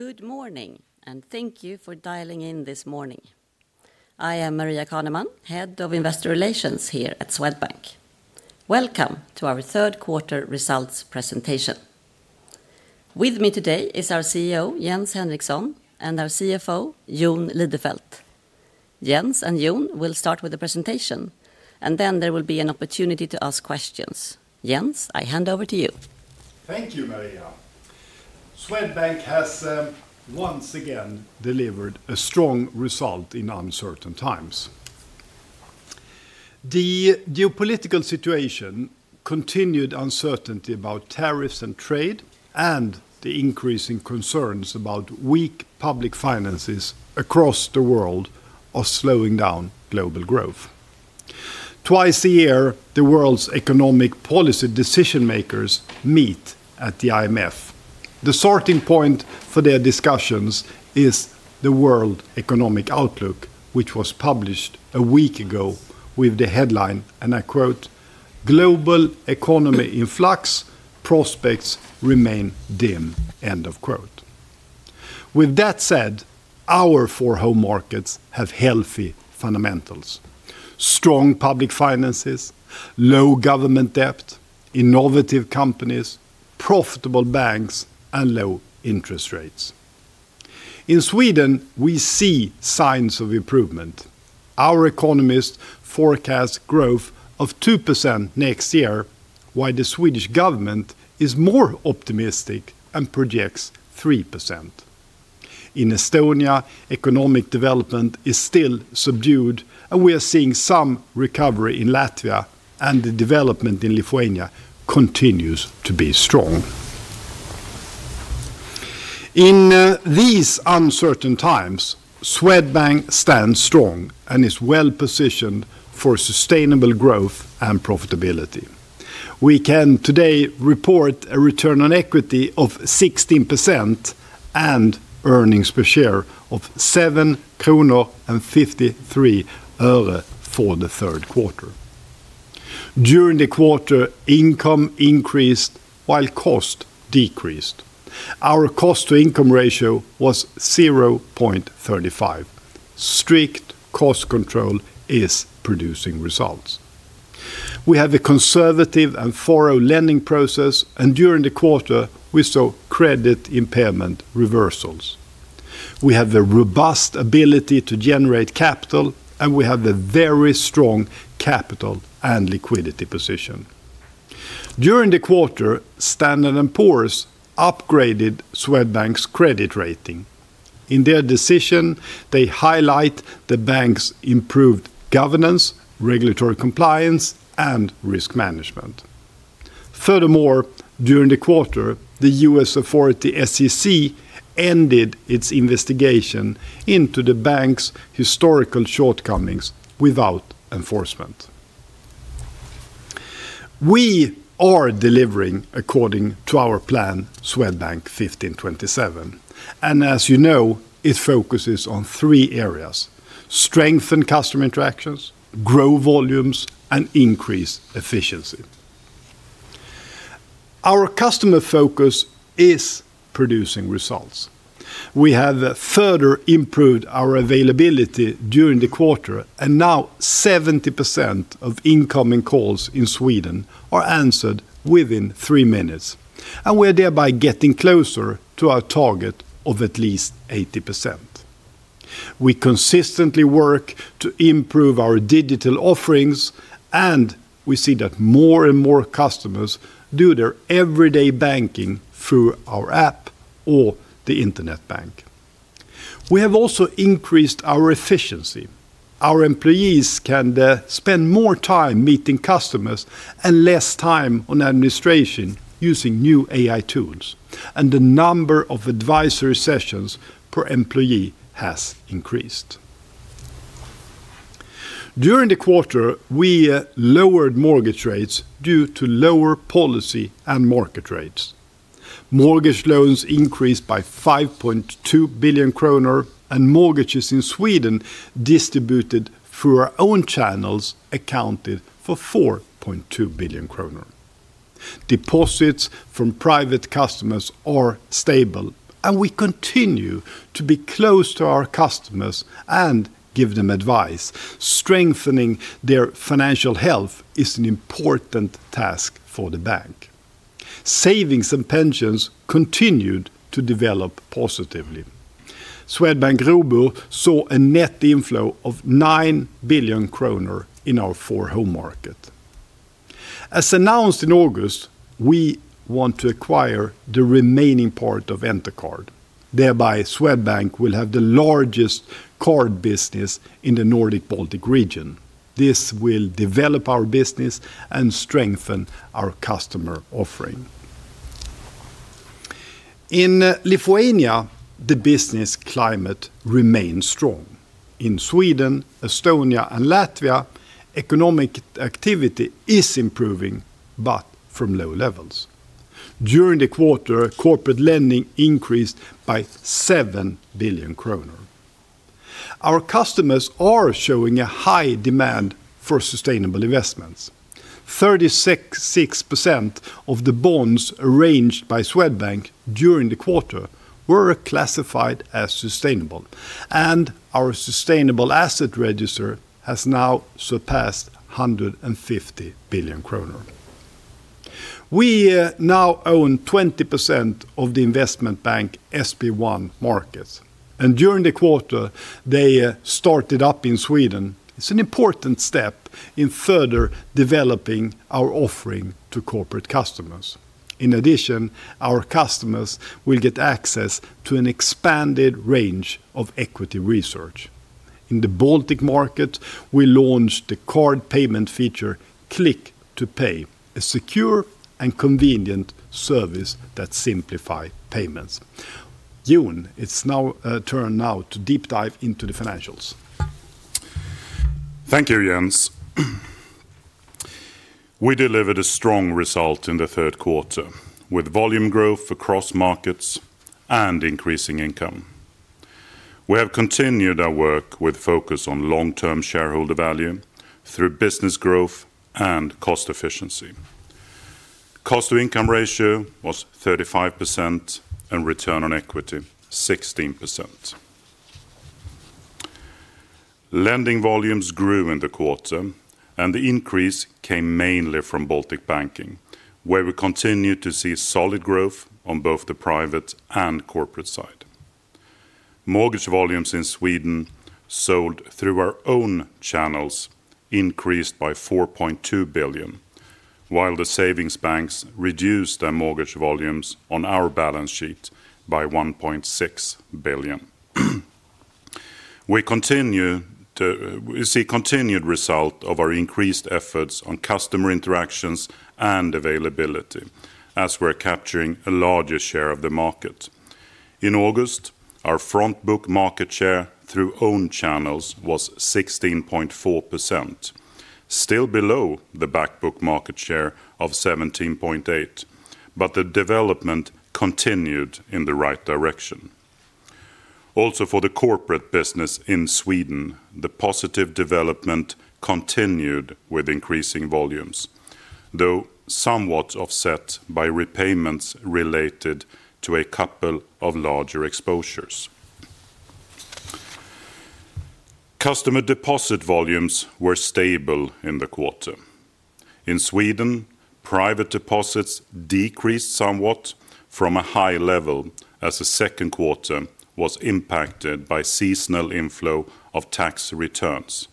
Good morning, and thank you for dialing in this morning. I am Maria Caneman, Head of Investor Relations here at Swedbank. Welcome to our third quarter results presentation. With me today is our CEO, Jens Henriksson, and our CFO, Jon Lidefelt. Jens and Jon will start with the presentation, and there will be an opportunity to ask questions. Jens, I hand over to you. Thank you, Maria. Swedbank has once again delivered a strong result in uncertain times. The geopolitical situation, continued uncertainty about tariffs and trade, and the increasing concerns about weak public finances across the world are slowing down global growth. Twice a year, the world's economic policy decision makers meet at the IMF. The starting point for their discussions is the World Economic Outlook, which was published a week ago with the headline, and I quote, "Global economy in flux, prospects remain dim." With that said, our four home markets have healthy fundamentals: strong public finances, low government debt, innovative companies, profitable banks, and low interest rates. In Sweden, we see signs of improvement. Our economist forecasts growth of 2% next year, while the Swedish government is more optimistic and projects 3%. In Estonia, economic development is still subdued, and we are seeing some recovery in Latvia, and the development in Lithuania continues to be strong. In these uncertain times, Swedbank stands strong and is well positioned for sustainable growth and profitability. We can today report a return on equity of 16% and earnings per share of 7.53 kronor for the third quarter. During the quarter, income increased while cost decreased. Our cost-to-income ratio was 0.35. Strict cost control is producing results. We have a conservative and thorough lending process, and during the quarter, we saw credit impairment reversals. We have a robust ability to generate capital, and we have a very strong capital and liquidity position. During the quarter, Standard & Poor’s upgraded Swedbank's credit rating. In their decision, they highlight the bank's improved governance, regulatory compliance, and risk management. Furthermore, during the quarter, the U.S. authority SEC ended its investigation into the bank's historical shortcomings without enforcement. We are delivering according to our plan, Swedbank 15/27, and as you know, it focuses on three areas: strengthen customer interactions, grow volumes, and increase efficiency. Our customer focus is producing results. We have further improved our availability during the quarter, and now 70% of incoming calls in Sweden are answered within three minutes, and we are thereby getting closer to our target of at least 80%. We consistently work to improve our digital offerings, and we see that more and more customers do their everyday banking through our app or the internet bank. We have also increased our efficiency. Our employees can spend more time meeting customers and less time on administration using new AI tools, and the number of advisory sessions per employee has increased. During the quarter, we lowered mortgage rates due to lower policy and market rates. Mortgage loans increased by 5.2 billion kronor, and mortgages in Sweden distributed through our own channels accounted for 4.2 billion kronor. Deposits from private customers are stable, and we continue to be close to our customers and give them advice. Strengthening their financial health is an important task for the bank. Savings and pensions continued to develop positively. Swedbank Robur saw a net inflow of 9 billion kronor in our four home markets. As announced in August, we want to acquire the remaining part of Entercard. Thereby, Swedbank will have the largest card business in the Nordic Baltic region. This will develop our business and strengthen our customer offering. In Lithuania, the business climate remains strong. In Sweden, Estonia, and Latvia, economic activity is improving, but from low levels. During the quarter, corporate lending increased by 7 billion kronor. Our customers are showing a high demand for sustainable investments. 36% of the bonds arranged by Swedbank during the quarter were classified as sustainable, and our sustainable asset register has now surpassed 150 billion kronor. We now own 20% of the investment bank SB1 Markets, and during the quarter, they started up in Sweden. It's an important step in further developing our offering to corporate customers. In addition, our customers will get access to an expanded range of equity research. In the Baltic markets, we launched the card payment feature, Click to Pay, a secure and convenient service that simplifies payments. Jon, it's now turned now to deep dive into the financials. Thank you, Jens. We delivered a strong result in the third quarter with volume growth across markets and increasing income. We have continued our work with focus on long-term shareholder value through business growth and cost efficiency. Cost-to-income ratio was 35% and return on equity 16%. Lending volumes grew in the quarter, and the increase came mainly from Baltic banking, where we continue to see solid growth on both the private and corporate side. Mortgage volumes in Sweden sold through our own channels increased by 4.2 billion, while the savings banks reduced their mortgage volumes on our balance sheet by 1.6 billion. We continue to see continued result of our increased efforts on customer interactions and availability as we're capturing a larger share of the market. In August, our front book market share through own channels was 16.4%, still below the back book market share of 17.8%, but the development continued in the right direction. Also, for the corporate business in Sweden, the positive development continued with increasing volumes, though somewhat offset by repayments related to a couple of larger exposures. Customer deposit volumes were stable in the quarter. In Sweden, private deposits decreased somewhat from a high level as the second quarter was impacted by seasonal inflow of tax returns.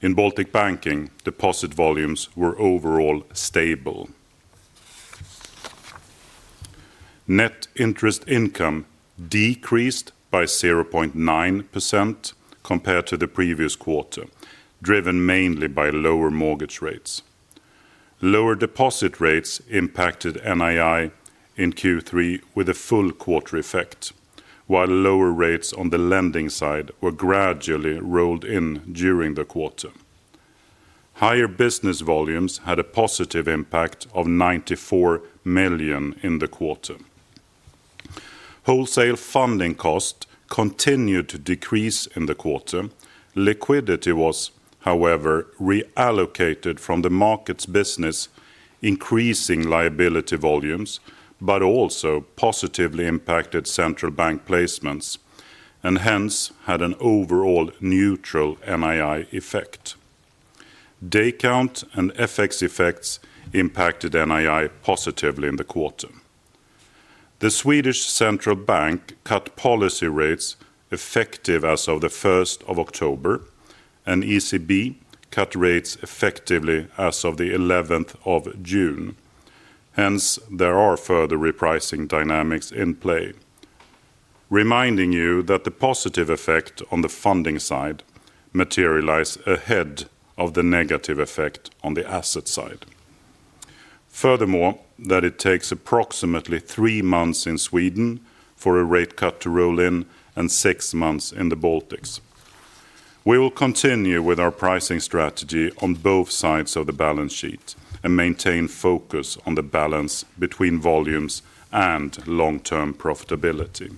In Baltic banking, deposit volumes were overall stable. Net interest income decreased by 0.9% compared to the previous quarter, driven mainly by lower mortgage rates. Lower deposit rates impacted NII in Q3 with a full quarter effect, while lower rates on the lending side were gradually rolled in during the quarter. Higher business volumes had a positive impact of 94 million in the quarter. Wholesale funding costs continued to decrease in the quarter. Liquidity was, however, reallocated from the markets business, increasing liability volumes, but also positively impacted central bank placements, and hence had an overall neutral NII effect. Day count and FX effects impacted NII positively in the quarter. The Swedish Central Bank cut policy rates effective as of the 1st of October, and ECB cut rates effectively as of the 11th of June. Hence, there are further repricing dynamics in play. Reminding you that the positive effect on the funding side materialized ahead of the negative effect on the asset side. Furthermore, that it takes approximately three months in Sweden for a rate cut to roll in and six months in the Baltics. We will continue with our pricing strategy on both sides of the balance sheet and maintain focus on the balance between volumes and long-term profitability.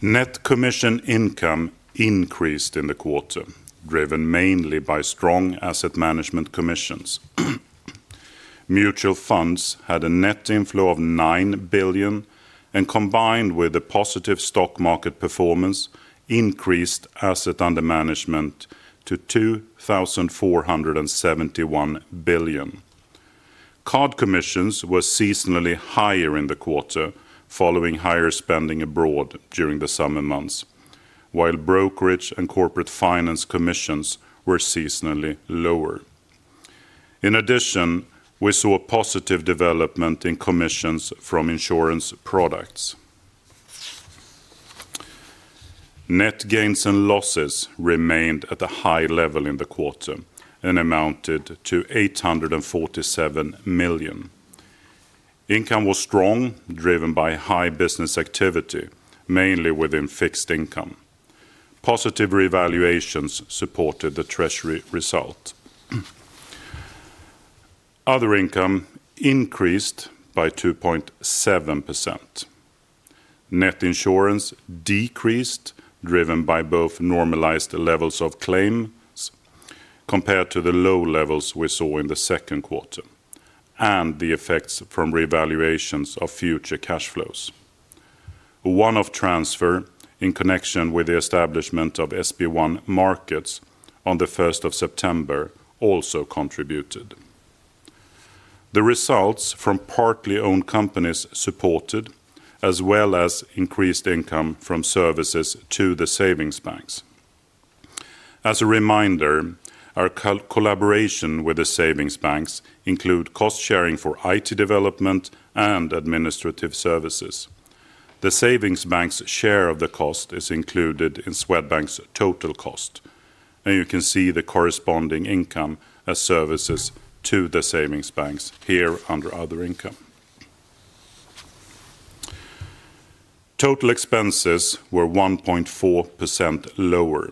Net commission income increased in the quarter, driven mainly by strong asset management commissions. Mutual funds had a net inflow of 9 billion, and combined with the positive stock market performance, increased assets under management to 2,471 billion. Card commissions were seasonally higher in the quarter following higher spending abroad during the summer months, while brokerage and corporate finance commissions were seasonally lower. In addition, we saw a positive development in commissions from insurance products. Net gains and losses remained at a high level in the quarter and amounted to 847 million. Income was strong, driven by high business activity, mainly within fixed income. Positive revaluations supported the Treasury result. Other income increased by 2.7%. Net insurance decreased, driven by both normalized levels of claims compared to the low levels we saw in the second quarter and the effects from revaluations of future cash flows. One-off transfer in connection with the establishment of SB1 Markets on the 1st of September also contributed. The results from partly owned companies supported, as well as increased income from services to the savings banks. As a reminder, our collaboration with the savings banks includes cost sharing for IT development and administrative services. The savings banks' share of the cost is included in Swedbank's total cost, and you can see the corresponding income as services to the savings banks here under other income. Total expenses were 1.4% lower.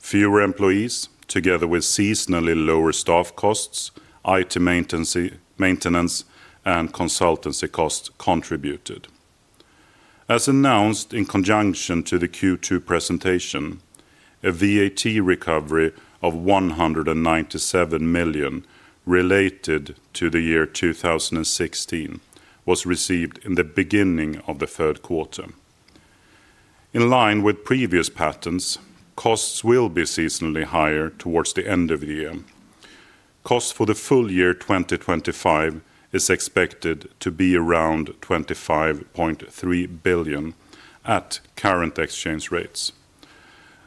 Fewer employees, together with seasonally lower staff costs, IT maintenance, and consultancy costs contributed. As announced in conjunction with the Q2 presentation, a VAT recovery of 197 million related to the year 2016 was received in the beginning of the third quarter. In line with previous patterns, costs will be seasonally higher towards the end of the year. Cost for the full year 2025 is expected to be around 25.3 billion at current exchange rates.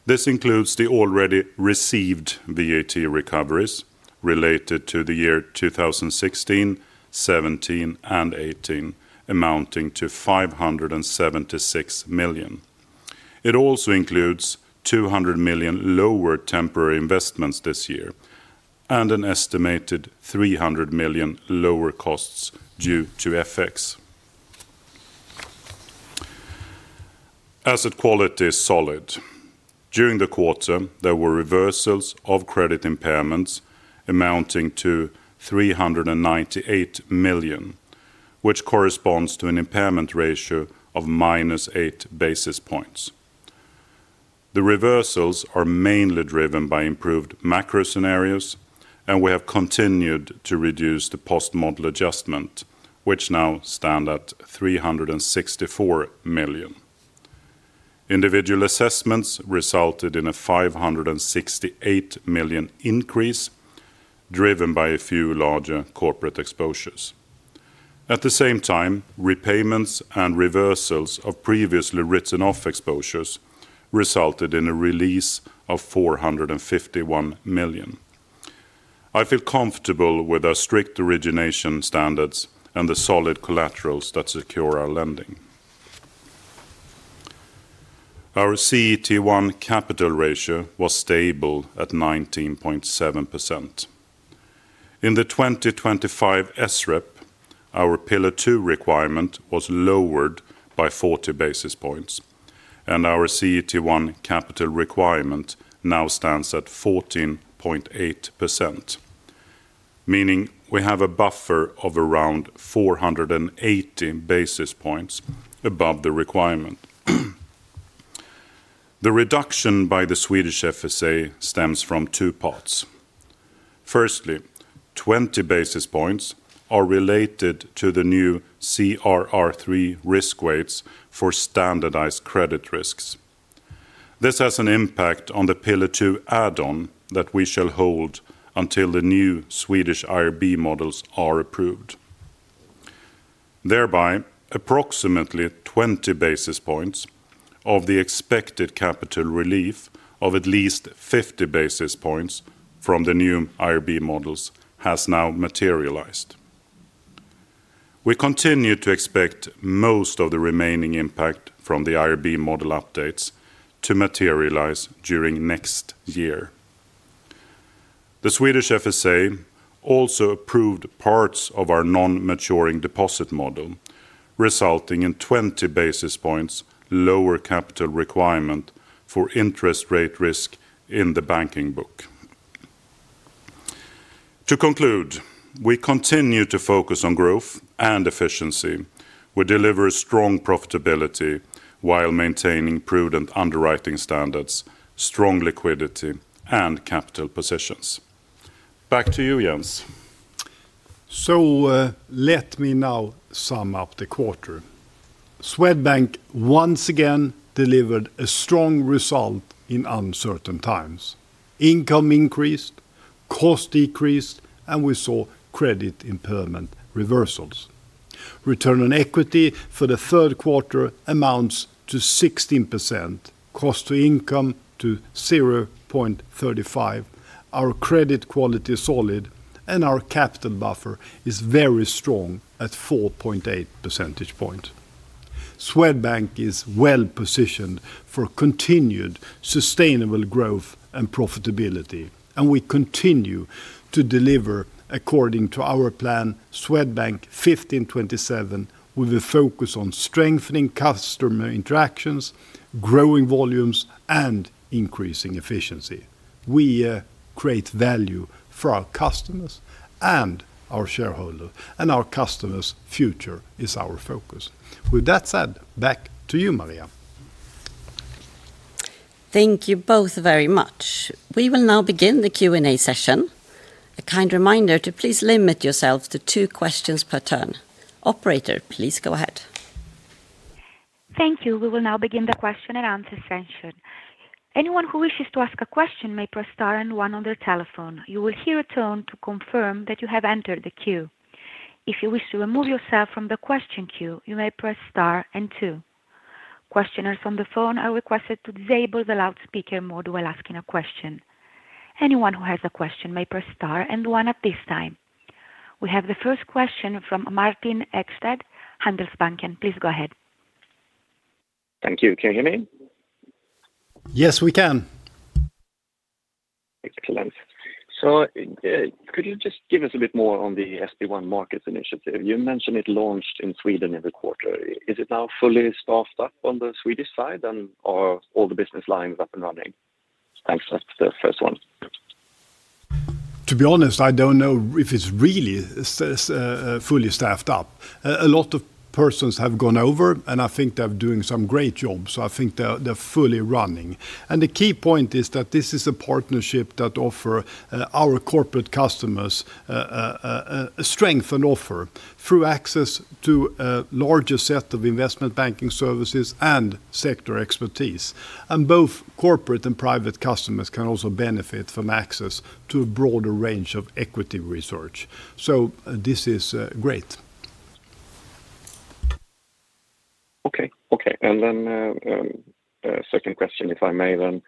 This includes the already received VAT recoveries related to the year 2016, 2017, and 2018, amounting to 576 million. It also includes 200 million lower temporary investments this year and an estimated 300 million lower costs due to FX. Asset quality is solid. During the quarter, there were reversals of credit impairments amounting to 398 million, which corresponds to an impairment ratio of -8 basis points. The reversals are mainly driven by improved macro scenarios, and we have continued to reduce the post-model adjustment, which now stands at 364 million. Individual assessments resulted in a 568 million increase, driven by a few larger corporate exposures. At the same time, repayments and reversals of previously written off exposures resulted in a release of 451 million. I feel comfortable with our strict origination standards and the solid collaterals that secure our lending. Our CET1 capital ratio was stable at 19.7%. In the 2025 SREP, our Pillar 2 requirement was lowered by 40 basis points, and our CET1 capital requirement now stands at 14.8%, meaning we have a buffer of around 480 basis points above the requirement. The reduction by the Swedish FSA stems from two parts. Firstly, 20 basis points are related to the new CRR3 risk weights for standardized credit risks. This has an impact on the Pillar 2 add-on that we shall hold until the new Swedish IRB models are approved. Thereby, approximately 20 basis points of the expected capital relief of at least 50 basis points from the new IRB models has now materialized. We continue to expect most of the remaining impact from the IRB model updates to materialize during next year. The Swedish FSA also approved parts of our non-maturing deposit model, resulting in 20 basis points lower capital requirement for interest rate risk in the banking book. To conclude, we continue to focus on growth and efficiency. We deliver strong profitability while maintaining prudent underwriting standards, strong liquidity, and capital positions. Back to you, Jens. Let me now sum up the quarter. Swedbank once again delivered a strong result in uncertain times. Income increased, costs decreased, and we saw credit impairment reversals. Return on equity for the third quarter amounts to 16%, cost-to-income to 0.35%. Our credit quality is solid, and our capital buffer is very strong at 4.8 percentage points. Swedbank is well positioned for continued sustainable growth and profitability, and we continue to deliver according to our plan, Swedbank 15/27, with a focus on strengthening customer interactions, growing volumes, and increasing efficiency. We create value for our customers and our shareholders, and our customers' future is our focus. With that said, back to you, Maria. Thank you both very much. We will now begin the Q&A session. A kind reminder to please limit yourselves to two questions per turn. Operator, please go ahead. Thank you. We will now begin the question and answer session. Anyone who wishes to ask a question may press star and one on their telephone. You will hear a tone to confirm that you have entered the queue. If you wish to remove yourself from the question queue, you may press star and two. Questioners on the phone are requested to disable the loudspeaker mode while asking a question. Anyone who has a question may press star and one at this time. We have the first question from Martin Ekstedt, Handelsbanken. Please go ahead. Thank you. Can you hear me? Yes, we can. Excellent. Could you just give us a bit more on the SB1 Markets initiative? You mentioned it launched in Sweden in the quarter. Is it now fully staffed up on the Swedish side, and are all the business lines up and running? Thanks. That's the first one. To be honest, I don't know if it's really fully staffed up. A lot of persons have gone over, and I think they're doing some great jobs. I think they're fully running. The key point is that this is a partnership that offers our corporate customers a strengthened offer through access to a larger set of investment banking services and sector expertise. Both corporate and private customers can also benefit from access to a broader range of equity research. This is great. Okay. And then second question, if I may then.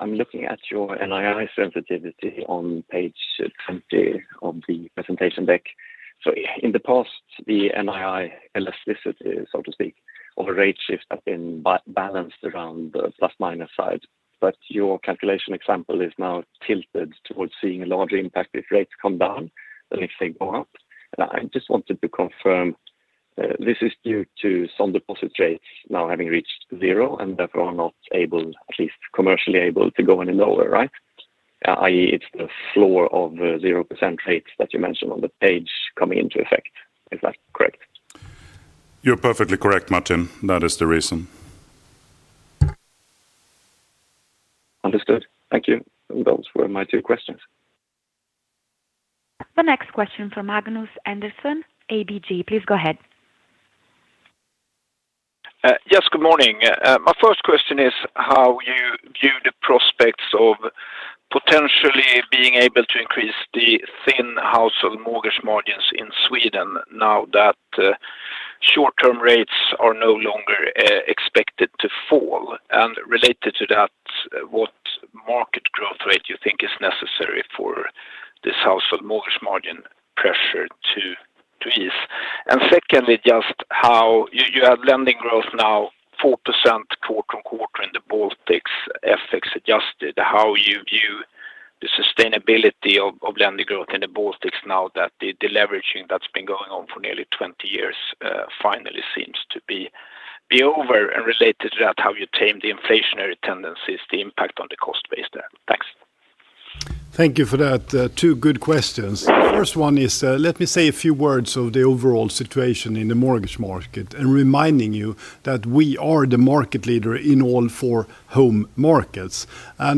I'm looking at your NII sensitivity on page 20 of the presentation deck. In the past, the NII elasticity, so to speak, of a rate shift has been balanced around the plus minus side, but your calculation example is now tilted towards seeing a larger impact if rates come down than if they go up. I just wanted to confirm this is due to some deposit rates now having reached zero and therefore are not able, at least commercially able, to go any lower, right? I.e., it's the floor of 0% rates that you mentioned on the page coming into effect. Is that correct? You're perfectly correct, Martin. That is the reason. Understood. Thank you. Those were my two questions. The next question from Magnus Andersson, ABG. Please go ahead. Yes, good morning. My first question is how you view the prospects of potentially being able to increase the thin household mortgage margins in Sweden now that short-term rates are no longer expected to fall. Related to that, what market growth rate do you think is necessary for this household mortgage margin pressure to ease? Secondly, just how you have lending growth now 4% quarter-on-quarter in the Baltics, FX adjusted. How you view the sustainability of lending growth in the Baltics now that the leveraging that's been going on for nearly 20 years finally seems to be over? Related to that, how you tame the inflationary tendencies, the impact on the cost-based debt. Thanks. Thank you for that. Two good questions. The first one is let me say a few words of the overall situation in the mortgage market and reminding you that we are the market leader in all four home markets.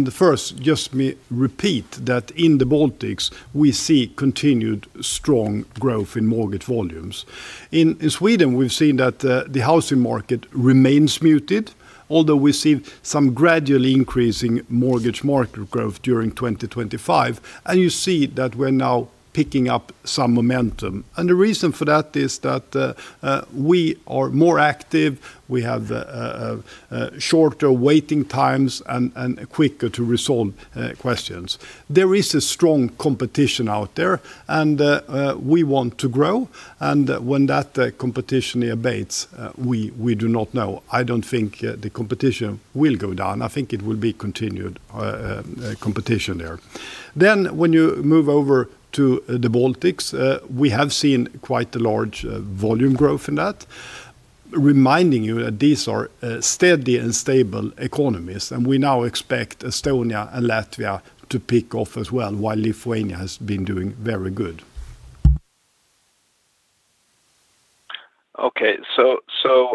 First, just let me repeat that in the Baltics, we see continued strong growth in mortgage volumes. In Sweden, we've seen that the housing market remains muted, although we see some gradually increasing mortgage market growth during 2025. You see that we're now picking up some momentum. The reason for that is that we are more active, we have shorter waiting times, and are quicker to resolve questions. There is strong competition out there, and we want to grow. When that competition abates, we do not know. I don't think the competition will go down. I think it will be continued competition there. When you move over to the Baltics, we have seen quite a large volume growth in that, reminding you that these are steady and stable economies. We now expect Estonia and Latvia to pick off as well, while Lithuania has been doing very good. Okay.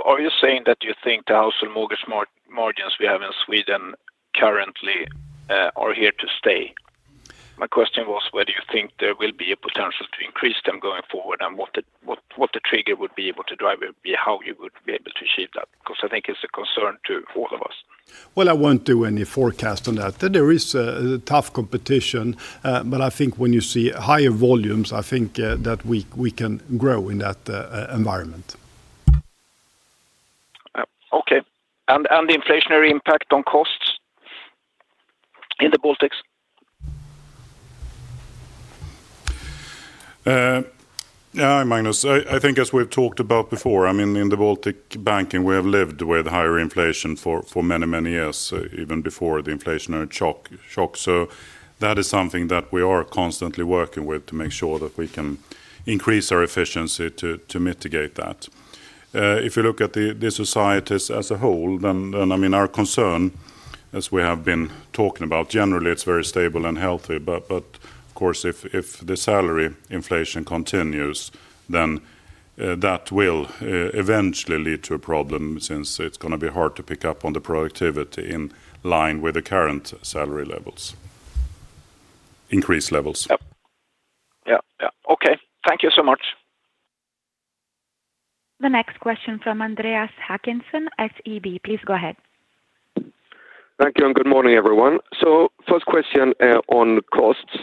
Are you saying that you think the household mortgage margins we have in Sweden currently are here to stay? My question was whether you think there will be a potential to increase them going forward and what the trigger would be to drive it, how you would be able to achieve that, because I think it's a concern to all of us. I won't do any forecast on that. There is a tough competition, but I think when you see higher volumes, I think that we can grow in that environment. Okay. The inflationary impact on costs in the Baltics? Yeah, hi Magnus. I think as we've talked about before, in the Baltic banking, we have lived with higher inflation for many, many years, even before the inflationary shock. That is something that we are constantly working with to make sure that we can increase our efficiency to mitigate that. If you look at the societies as a whole, our concern, as we have been talking about, generally, it's very stable and healthy. Of course, if the salary inflation continues, that will eventually lead to a problem since it's going to be hard to pick up on the productivity in line with the current salary levels, increased levels. Yeah. Okay. Thank you so much. The next question from Andreas Håkansson at SEB, please go ahead. Thank you. Good morning, everyone. First question on costs.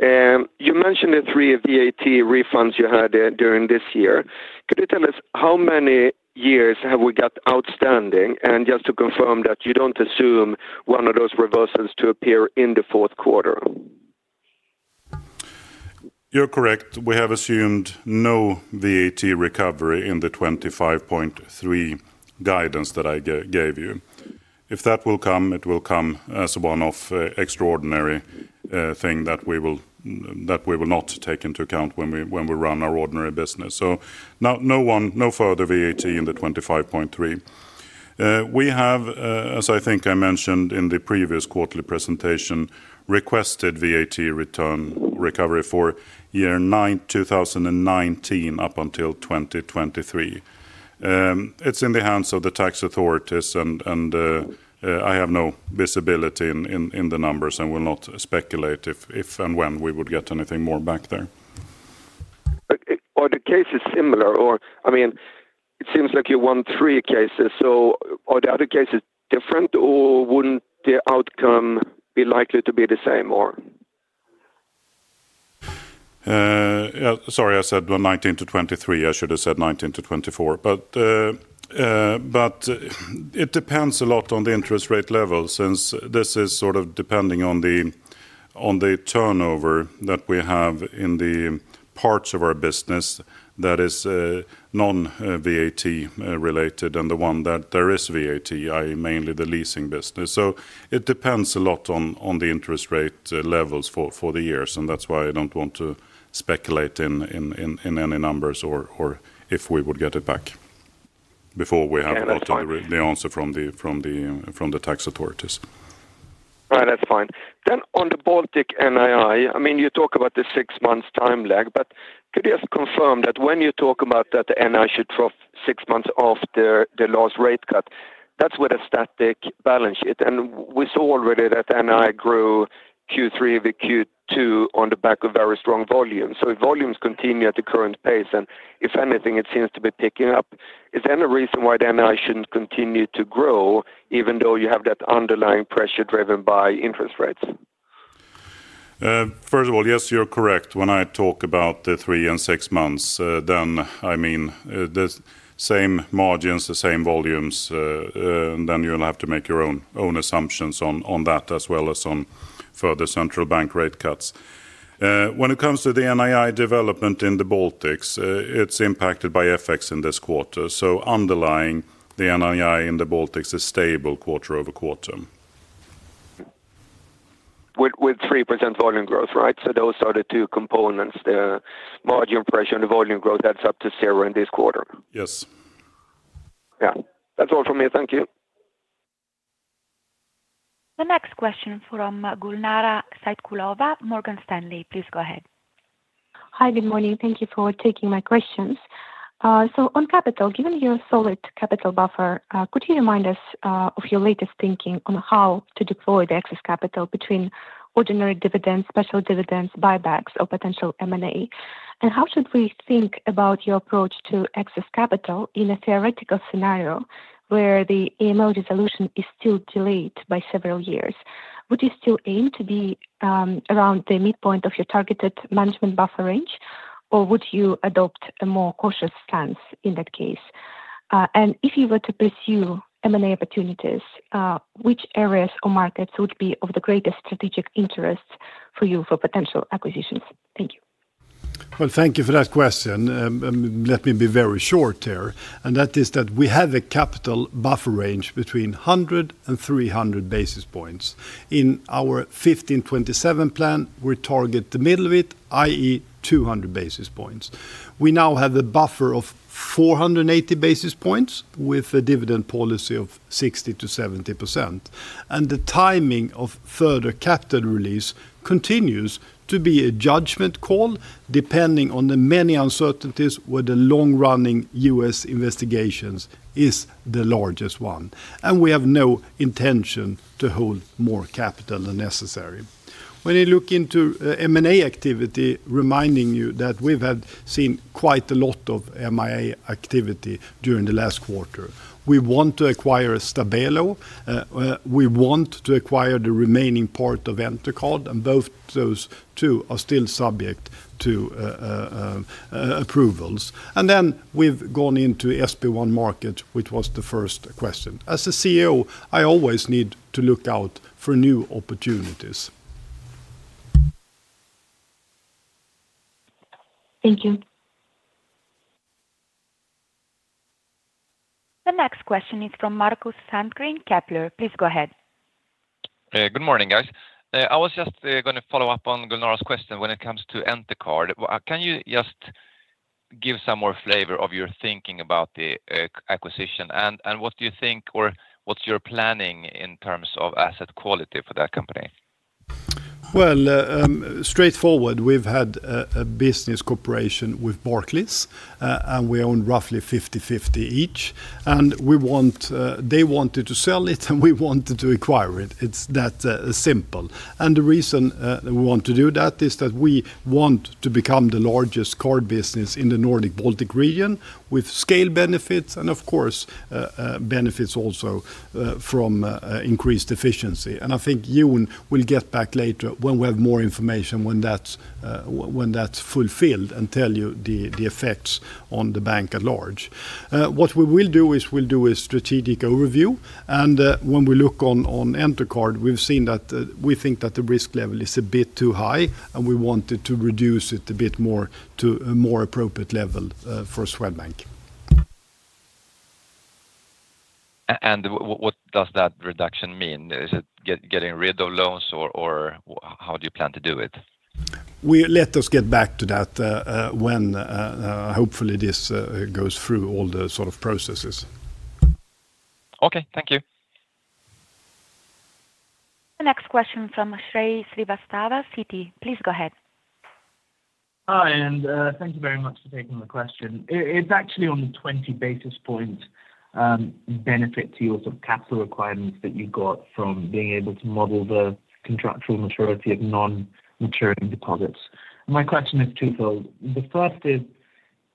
You mentioned the three VAT recoveries you had during this year. Could you tell us how many years have we got outstanding? Just to confirm that you don't assume one of those reversals to appear in the fourth quarter. You're correct. We have assumed no VAT recovery in the 25.3 guidance that I gave you. If that will come, it will come as a one-off extraordinary thing that we will not take into account when we run our ordinary business. No further VAT in the 25.3. We have, as I think I mentioned in the previous quarterly presentation, requested VAT recovery for year 2009-2019 up until 2023. It's in the hands of the tax authorities, and I have no visibility in the numbers and will not speculate if and when we would get anything more back there. If the case is similar, I mean, it seems like you won three cases. Are the other cases different, or wouldn't the outcome be likely to be the same? Sorry, I said 2019-2023. I should have said 2019-2024. It depends a lot on the interest rate level since this is sort of depending on the turnover that we have in the parts of our business that is non-VAT related and the one that there is VAT, i.e., mainly the leasing business. It depends a lot on the interest rate levels for the years, and that's why I don't want to speculate in any numbers or if we would get it back before we have gotten the answer from the tax authorities. All right. That's fine. On the Baltic NII, you talk about the six months time lag, but could you just confirm that when you talk about that NII should drop six months after the last rate cut, that's with a static balance sheet? We saw already that NII grew Q3 to Q2 on the back of very strong volumes. If volumes continue at the current pace, and if anything, it seems to be picking up, is there any reason why the NII shouldn't continue to grow even though you have that underlying pressure driven by interest rates? First of all, yes, you're correct. When I talk about the three and six months, then I mean the same margins, the same volumes, and then you'll have to make your own assumptions on that as well as on further central bank rate cuts. When it comes to the NII development in the Baltics, it's impacted by FX in this quarter. Underlying, the NII in the Baltics is stable quarter-over-quarter. With 3% volume growth, right? Those are the two components, the margin pressure and the volume growth adds up to zero in this quarter. Yes. Yeah, that's all from me. Thank you. The next question from Gulnara Saitkulova, Morgan Stanley, please go ahead. Hi, good morning. Thank you for taking my questions. On capital, given your solid capital buffer, could you remind us of your latest thinking on how to deploy the excess capital between ordinary dividends, special dividends, buybacks, or potential M&A? How should we think about your approach to excess capital in a theoretical scenario where the AML resolution is still delayed by several years? Would you still aim to be around the midpoint of your targeted management buffer range, or would you adopt a more cautious stance in that case? If you were to pursue M&A opportunities, which areas or markets would be of the greatest strategic interest for you for potential acquisitions? Thank you. Thank you for that question. Let me be very short there. That is that we have a capital buffer range between 100 basis points and 300 basis points. In our 15/27 plan, we target the middle of it, i.e., 200 basis points. We now have a buffer of 480 basis points with a dividend policy of 60%-70%. The timing of further capital release continues to be a judgment call depending on the many uncertainties where the long-running U.S. investigations is the largest one. We have no intention to hold more capital than necessary. When you look into M&A activity, reminding you that we've seen quite a lot of M&A activity during the last quarter. We want to acquire Stabelo. We want to acquire the remaining part of Entercard, and both those two are still subject to approvals. We've gone into SB1 Markets, which was the first question. As a CEO, I always need to look out for new opportunities. Thank you. The next question is from Markus Sandgren, Kepler. Please go ahead. Good morning, guys. I was just going to follow up on Gulnara's question when it comes to Entercard. Can you just give some more flavor of your thinking about the acquisition? What do you think or what's your planning in terms of asset quality for that company? We've had a business cooperation with Barclays, and we own roughly 50/50 each. They wanted to sell it, and we wanted to acquire it. It's that simple. The reason we want to do that is that we want to become the largest card business in the Nordic Baltic region with scale benefits and, of course, benefits also from increased efficiency. I think Jon will get back later when we have more information when that's fulfilled and tell you the effects on the bank at large. What we will do is we'll do a strategic overview. When we look on Entercard, we've seen that we think that the risk level is a bit too high, and we wanted to reduce it a bit more to a more appropriate level for Swedbank. What does that reduction mean? Is it getting rid of loans, or how do you plan to do it? Let us get back to that when hopefully this goes through all the sort of processes. Okay. Thank you. The next question from Shrey Srivastava, Citi. Please go ahead. Hi, and thank you very much for taking the question. It's actually on the 20 basis points benefit to your sort of capital requirements that you got from being able to model the contractual maturity of non-maturing deposits. My question is twofold. The first is,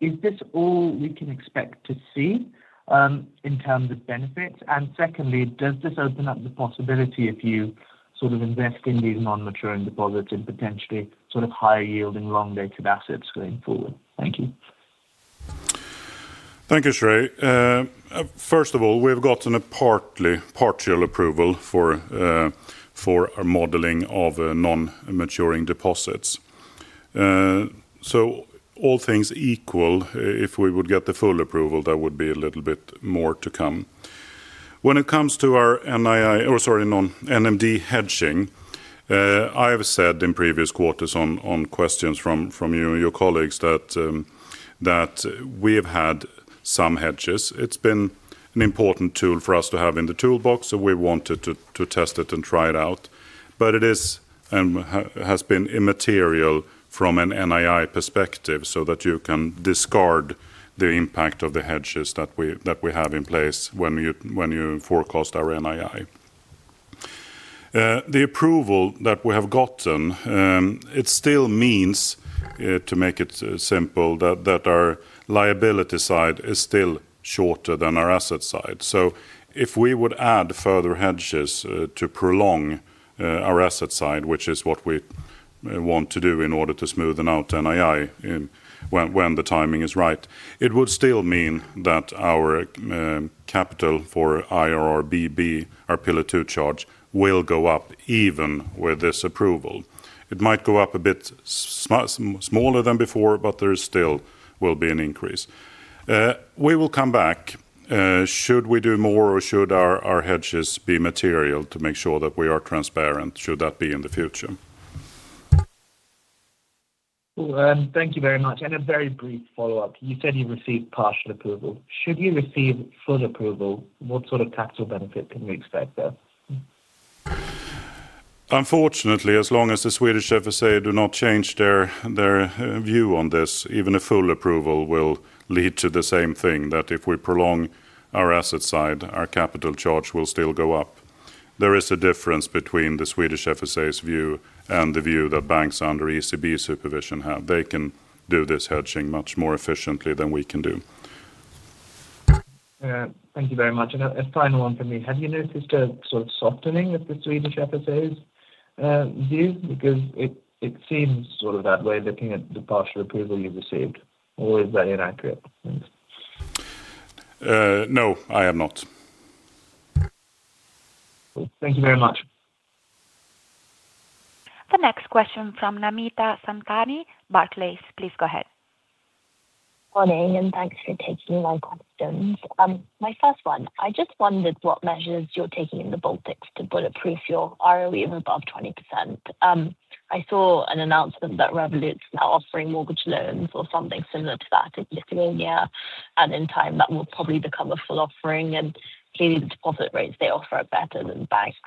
is this all we can expect to see in terms of benefits? Secondly, does this open up the possibility if you sort of invest in these non-maturing deposits and potentially sort of higher yielding long-dated assets going forward? Thank you. Thank you, Shrey. First of all, we've gotten a partial approval for our modeling of non-maturing deposits. All things equal, if we would get the full approval, that would be a little bit more to come. When it comes to our NII, or sorry, non-NMD hedging, I have said in previous quarters on questions from you and your colleagues that we have had some hedges. It's been an important tool for us to have in the toolbox, so we wanted to test it and try it out. It has been immaterial from an NII perspective so that you can discard the impact of the hedges that we have in place when you forecast our NII. The approval that we have gotten still means, to make it simple, that our liability side is still shorter than our asset side. If we would add further hedges to prolong our asset side, which is what we want to do in order to smoothen out NII when the timing is right, it would still mean that our capital for IRRBB, our Pillar 2 charge, will go up even with this approval. It might go up a bit smaller than before, but there still will be an increase. We will come back. Should we do more or should our hedges be material to make sure that we are transparent? Should that be in the future? Thank you very much. A very brief follow-up. You said you received partial approval. Should you receive full approval, what sort of tax or benefit can you expect there? Unfortunately, as long as the Swedish FSA do not change their view on this, even a full approval will lead to the same thing, that if we prolong our asset side, our capital charge will still go up. There is a difference between the Swedish FSA's view and the view that banks under ECB supervision have. They can do this hedging much more efficiently than we can do. Thank you very much. A final one for me. Have you noticed a sort of softening of the Swedish FSA's view? It seems sort of that way looking at the partial approval you've received. Or is that inaccurate? No, I have not. Thank you very much. The next question from Namita Samtani, Barclays. Please go ahead. Morning, and thanks for taking my questions. My first one, I just wondered what measures you're taking in the Baltics to bulletproof your ROE of above 20%. I saw an announcement that Revolut is now offering mortgage loans or something similar to that in Lithuania. In time, that will probably become a full offering. Clearly, the deposit rates they offer are better than banks.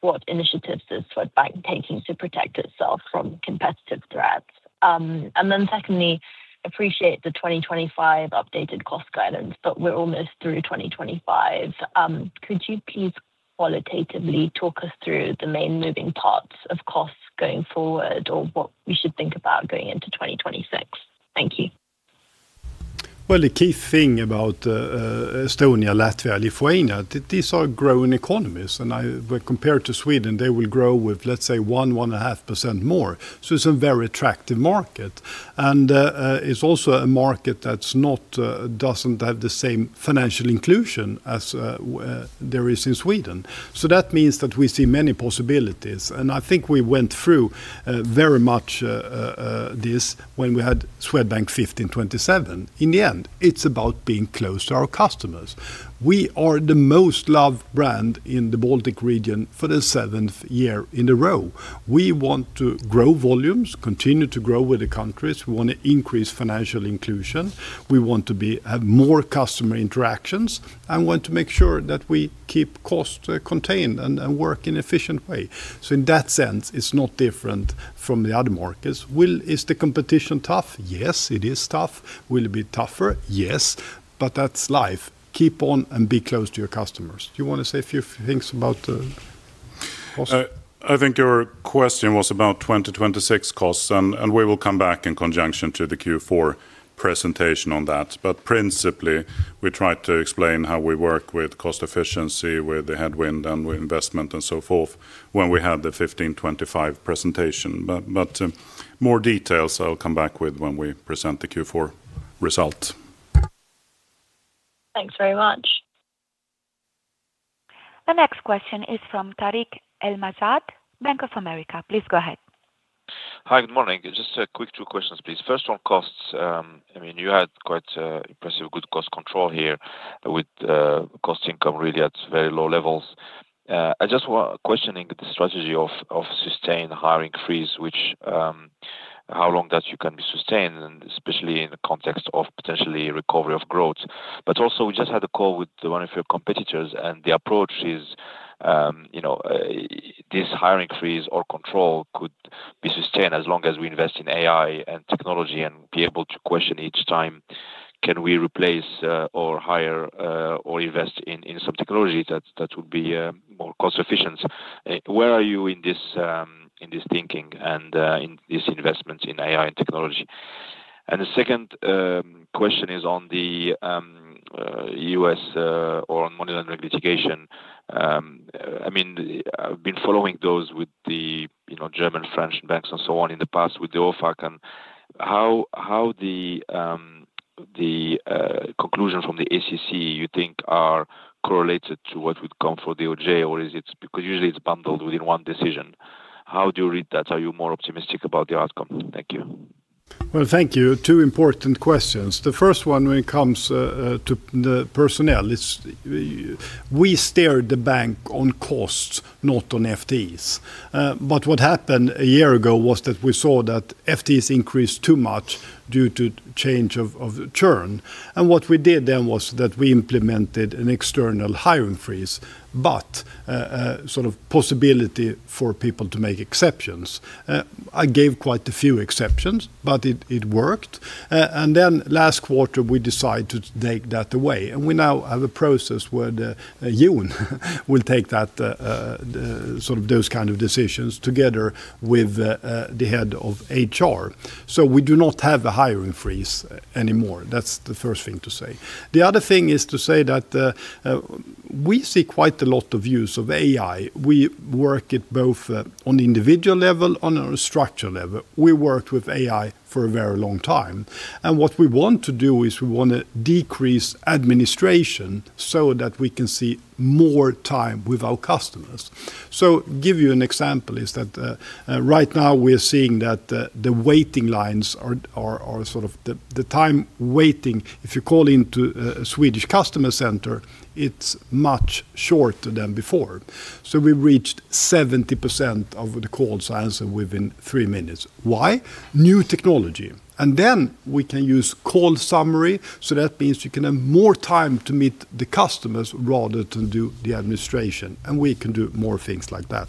What initiatives is Swedbank taking to protect itself from competitive threats? Secondly, I appreciate the 2025 updated cost guidance, but we're almost through 2025. Could you please qualitatively talk us through the main moving parts of costs going forward or what we should think about going into 2026? Thank you. The key thing about Estonia, Latvia, and Lithuania, these are growing economies. Compared to Sweden, they will grow with, let's say, 1%-1.5% more. It is a very attractive market. It is also a market that does not have the same financial inclusion as there is in Sweden. That means that we see many possibilities. I think we went through very much this when we had Swedbank 15/27. In the end, it is about being close to our customers. We are the most loved brand in the Baltic region for the seventh year in a row. We want to grow volumes, continue to grow with the countries, increase financial inclusion, have more customer interactions, and make sure that we keep costs contained and work in an efficient way. In that sense, it is not different from the other markets. Is the competition tough? Yes, it is tough. Will it be tougher? Yes. That is life. Keep on and be close to your customers. Do you want to say a few things about the cost? I think your question was about 2026 costs, and we will come back in conjunction to the Q4 presentation on that. Principally, we tried to explain how we work with cost efficiency, with the headwind and investment, and so forth when we had the 15/25 presentation. More details I'll come back with when we present the Q4 result. Thanks very much. The next question is from Tarik El Mejjad, Bank of America. Please go ahead. Hi, good morning. Just a quick two questions, please. First on costs. I mean, you had quite impressive good cost control here with cost income really at very low levels. I just want questioning the strategy of sustained hiring freeze, which how long that you can be sustained, especially in the context of potentially recovery of growth. Also, we just had a call with one of your competitors, and the approach is this hiring freeze or control could be sustained as long as we invest in AI and technology and be able to question each time, can we replace or hire or invest in some technology that would be more cost-efficient? Where are you in this thinking and in this investment in AI and technology? The second question is on the U.S. or on money laundering litigation. I mean, I've been following those with the German, French, and banks, and so on in the past with the OFAC. How the conclusion from the ACC, you think, are correlated to what would come for DOJ, or is it because usually it's bundled within one decision? How do you read that? Are you more optimistic about the outcome? Thank you. Thank you. Two important questions. The first one, when it comes to the personnel, we steered the bank on costs, not on FTs. What happened a year ago was that we saw that FTs increased too much due to the change of churn. What we did then was that we implemented an external hiring freeze, but a sort of possibility for people to make exceptions. I gave quite a few exceptions, but it worked. Last quarter, we decided to take that away. We now have a process where Jon will take those kinds of decisions together with the Head of HR. We do not have a hiring freeze anymore. That's the first thing to say. The other thing is to say that we see quite a lot of use of AI. We work it both on the individual level and on a structure level. We worked with AI for a very long time. What we want to do is we want to decrease administration so that we can see more time with our customers. To give you an example, right now we're seeing that the waiting lines are sort of the time waiting. If you call into a Swedish customer center, it's much shorter than before. We've reached 70% of the calls answered within three minutes. Why? New technology. We can use call summary. That means you can have more time to meet the customers rather than do the administration. We can do more things like that.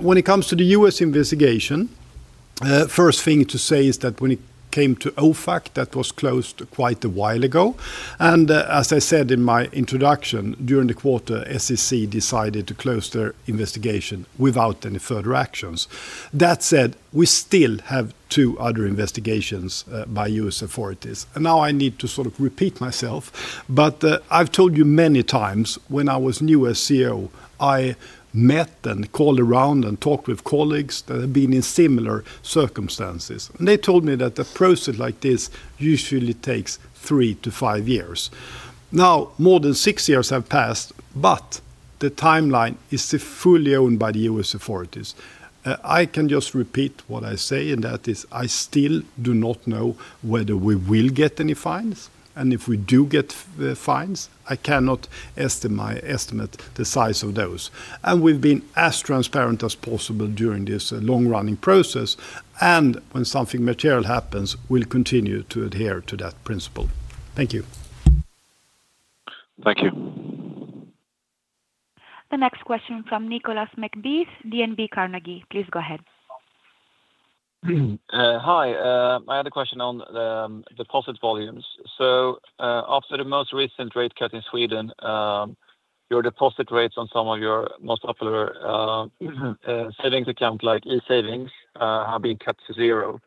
When it comes to the U.S. investigation, the first thing to say is that when it came to OFAC, that was closed quite a while ago. As I said in my introduction, during the quarter, SEC decided to close their investigation without any further actions. That said, we still have two other investigations by U.S. authorities. I need to repeat myself. I've told you many times when I was new as CEO, I met and called around and talked with colleagues that have been in similar circumstances. They told me that a process like this usually takes three to five years. Now, more than six years have passed, but the timeline is fully owned by the U.S. authorities. I can just repeat what I say, and that is I still do not know whether we will get any fines. If we do get fines, I cannot estimate the size of those. We've been as transparent as possible during this long-running process. When something material happens, we'll continue to adhere to that principle. Thank you. Thank you. The next question from Nicholas McBeath, DNB Carnegie. Please go ahead. Hi. I had a question on deposit volumes. After the most recent rate cut in Sweden, your deposit rates on some of your most popular savings accounts, like eSavings, have been cut to zero.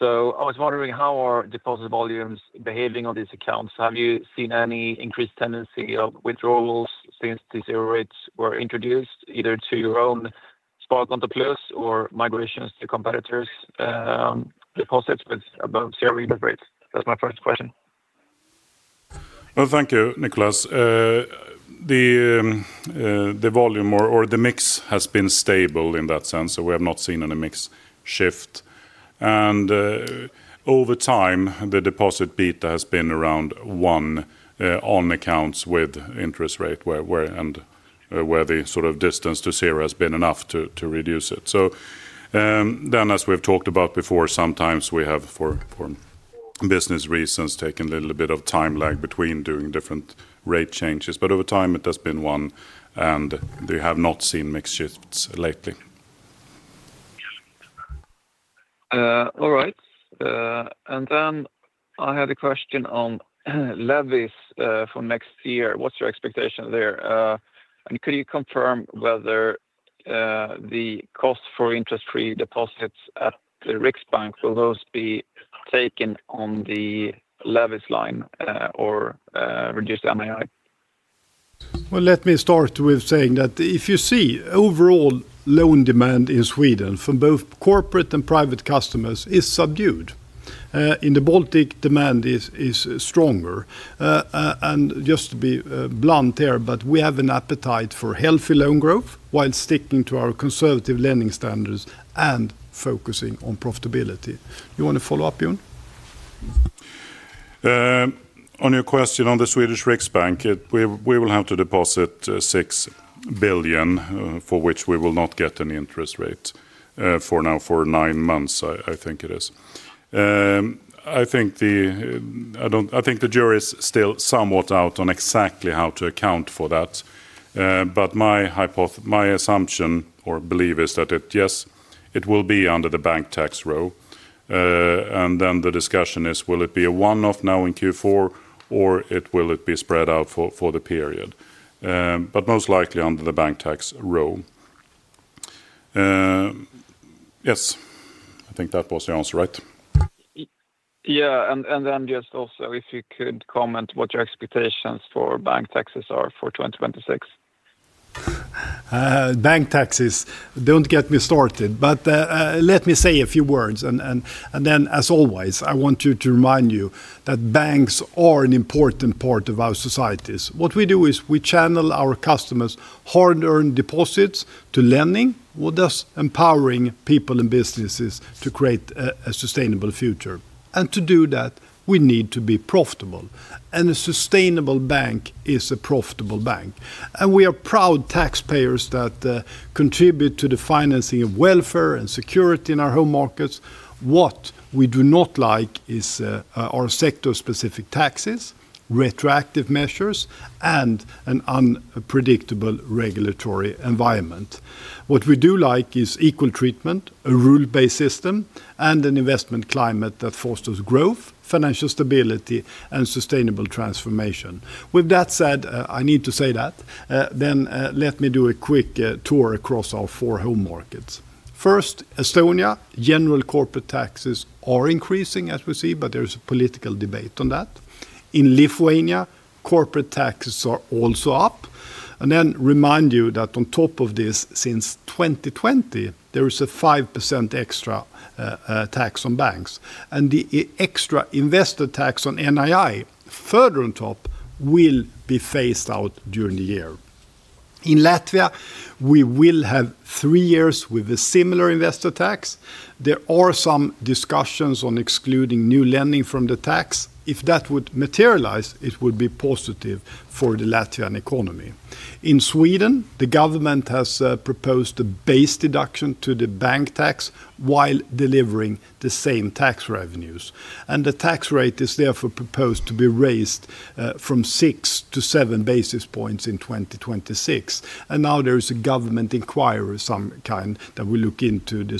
I was wondering how are deposit volumes behaving on these accounts? Have you seen any increased tendency of withdrawals since these zero rates were introduced, either to your own Sparkonto Plus or migrations to competitors' deposits with above zero interest rates? That's my first question. Thank you, Nicholas. The volume or the mix has been stable in that sense. We have not seen any mix shift. Over time, the deposit beta has been around 1 on accounts with interest rate and where the sort of distance to zero has been enough to reduce it. As we've talked about before, sometimes we have, for business reasons, taken a little bit of time lag between doing different rate changes. Over time, it has been 1, and we have not seen mix shifts lately. All right. I had a question on levies for next year. What's your expectation there? Could you confirm whether the cost for interest-free deposits at the Riksbank, will those be taken on the levies line or reduced NII? If you see overall loan demand in Sweden from both corporate and private customers is subdued. In the Baltic, demand is stronger. Just to be blunt here, we have an appetite for healthy loan growth while sticking to our conservative lending standards and focusing on profitability. You want to follow up, Jon? On your question on the Swedish Riksbank, we will have to deposit 6 billion for which we will not get an interest rate for now for nine months, I think it is. I think the jury is still somewhat out on exactly how to account for that. My assumption or belief is that yes, it will be under the bank tax row. The discussion is, will it be a one-off now in Q4 or will it be spread out for the period? Most likely under the bank tax row. Yes, I think that was the answer, right? If you could comment what your expectations for bank taxes are for 2026. Bank taxes, don't get me started, but let me say a few words. As always, I want to remind you that banks are an important part of our societies. What we do is we channel our customers' hard-earned deposits to lending, which is empowering people and businesses to create a sustainable future. To do that, we need to be profitable. A sustainable bank is a profitable bank. We are proud taxpayers that contribute to the financing of welfare and security in our home markets. What we do not like are sector-specific taxes, retroactive measures, and an unpredictable regulatory environment. What we do like is equal treatment, a rule-based system, and an investment climate that fosters growth, financial stability, and sustainable transformation. With that said, let me do a quick tour across our four home markets. First, Estonia. General corporate taxes are increasing as we see, but there is a political debate on that. In Lithuania, corporate taxes are also up. On top of this, since 2020, there is a 5% extra tax on banks. The extra investor tax on NII, further on top, will be phased out during the year. In Latvia, we will have three years with a similar investor tax. There are some discussions on excluding new lending from the tax. If that would materialize, it would be positive for the Latvian economy. In Sweden, the government has proposed a base deduction to the bank tax while delivering the same tax revenues. The tax rate is therefore proposed to be raised from 6 basis points-7 basis points in 2026. There is now a government inquiry of some kind that will look into the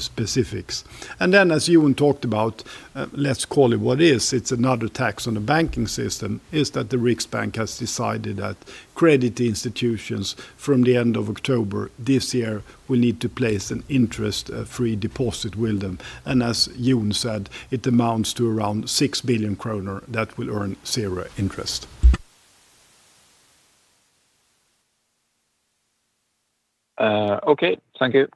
specifics. As Jon talked about, let's call it what it is. It is another tax on the banking system that the Riksbank has decided that credit institutions from the end of October this year will need to place an interest-free deposit with them. As Jon said, it amounts to around 6 billion kronor that will earn zero interest. Okay. Thank you.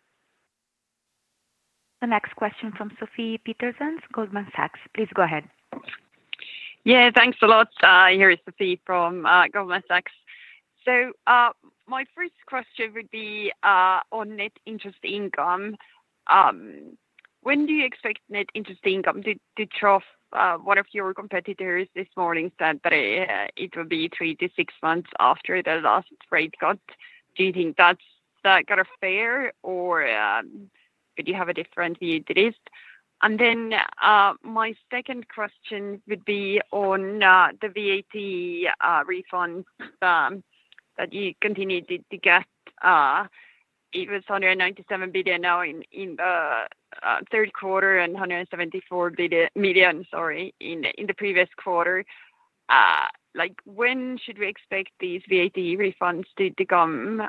The next question from Sophie Peterson, Goldman Sachs. Please go ahead. Yeah, thanks a lot. Here is Sophie from Goldman Sachs. My first question would be on net interest income. When do you expect net interest income? One of your competitors this morning said that it would be three to six months after the last rate cut. Do you think that's kind of fair, or do you have a different view to this? My second question would be on the VAT refund that you continue to get. It was 197 million now in the third quarter and 174 million in the previous quarter. When should we expect these VAT refunds to come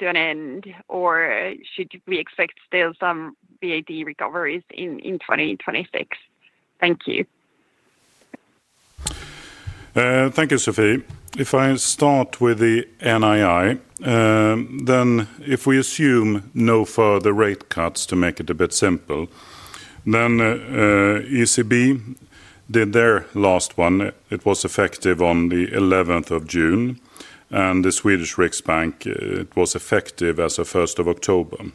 to an end, or should we expect still some VAT recoveries in 2026? Thank you. Thank you, Sophie. If I start with the NII, if we assume no further rate cuts, to make it a bit simple, ECB did their last one. It was effective on the 11th of June. The Swedish Riksbank, it was effective as of the 1st of October.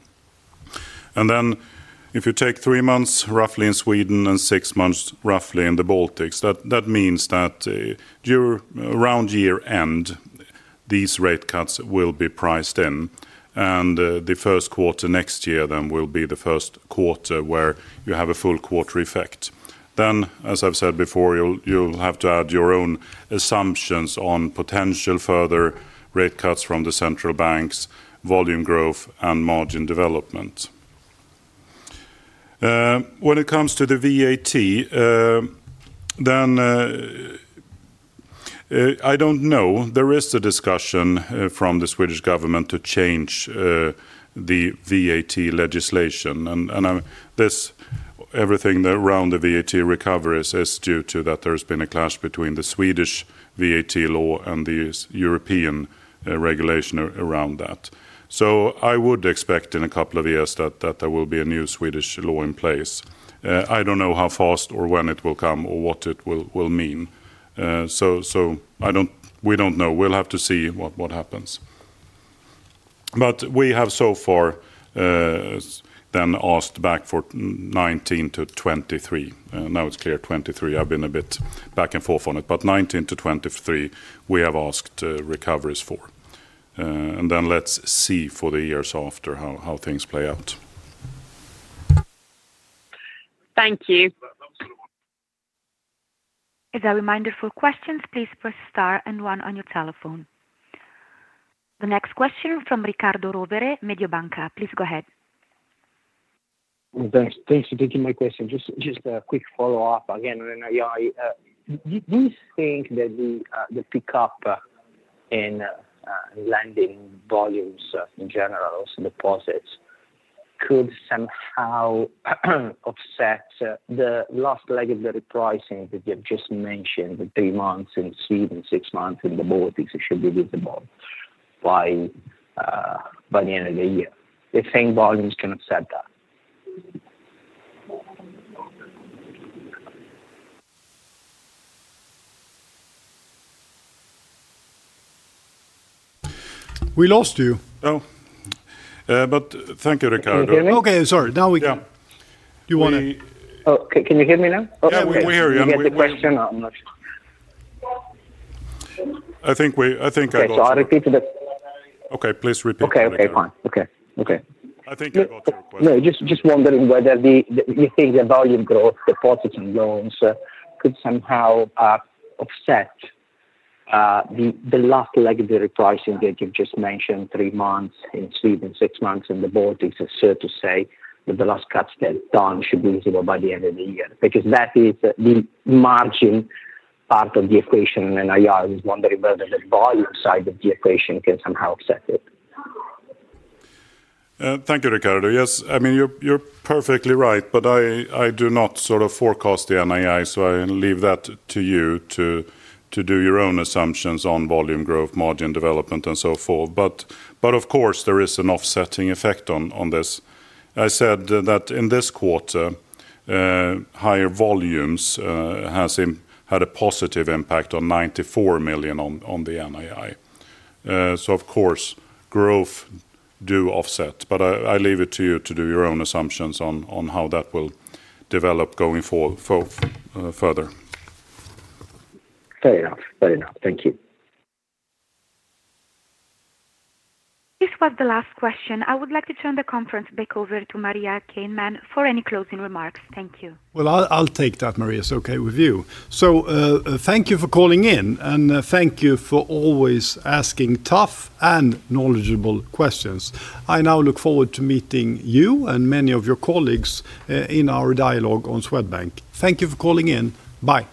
If you take three months roughly in Sweden and six months roughly in the Baltics, that means that around year end, these rate cuts will be priced in. The first quarter next year will be the first quarter where you have a full quarter effect. As I've said before, you'll have to add your own assumptions on potential further rate cuts from the central banks, volume growth, and margin development. When it comes to the VAT, I don't know. There is a discussion from the Swedish government to change the VAT legislation. Everything around the VAT recoveries is due to that there's been a clash between the Swedish VAT law and the European regulation around that. I would expect in a couple of years that there will be a new Swedish law in place. I don't know how fast or when it will come or what it will mean. We don't know. We'll have to see what happens. We have so far asked back for 2019 to 2023. Now it's clear 2023. I've been a bit back and forth on it. 2019 to 2023, we have asked recoveries for. Let's see for the years after how things play out. Thank you. As a reminder, for questions, please press star and one on your telephone. The next question from Riccardo Rovere, Mediobanca. Please go ahead. Thanks. Thanks for taking my question. Just a quick follow-up. Again, on NII, do you think that the pickup in lending volumes in general, also deposits, could somehow offset the last leg of the repricing that you have just mentioned with three months in Sweden, six months in the Baltics? It should be visible by the end of the year if lending volumes can offset that. We lost you. Oh. Thank you, Riccardo. Okay, sorry. Now we can. Yeah. Do you want to? Can you hear me now? Yeah, we hear you. Did you get the question? I think I got the question. Okay, I'll repeat it. Okay, please repeat it. Okay, fine. Okay. I think I got the request. No, just wondering whether you think the volume growth, deposits, and loans could somehow offset the last leg of the repricing that you've just mentioned, three months in Sweden, six months in the Baltics, and to say that the last cuts that are done should be visible by the end of the year. Because that is the margin part of the equation in NII. I was wondering whether the volume side of the equation can somehow offset it. Thank you, Riccardo. Yes, I mean, you're perfectly right, but I do not sort of forecast the NII, so I leave that to you to do your own assumptions on volume growth, margin development, and so forth. Of course, there is an offsetting effect on this. I said that in this quarter, higher volumes had a positive impact of 94 million on the NII. Growth does offset. I leave it to you to do your own assumptions on how that will develop going forth further. Fair enough. Fair enough. Thank you. This was the last question. I would like to turn the conference back over to Maria Caneman for any closing remarks. Thank you. I'll take that, Maria, if it's okay with you. Thank you for calling in, and thank you for always asking tough and knowledgeable questions. I now look forward to meeting you and many of your colleagues in our dialogue on Swedbank. Thank you for calling in. Bye.